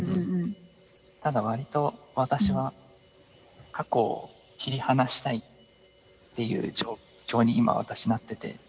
ただわりと私は過去を切り離したいっていう状況に今私なってて。